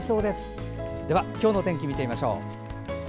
では今日の天気見てみましょう。